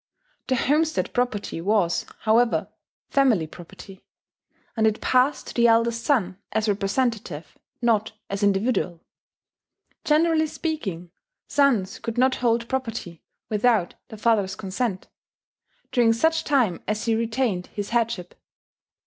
The homestead property was, however, family property; and it passed to the eldest son as representative, not as individual. Generally speaking, sons could not hold property, without the father's consent, during such time as he retained his headship.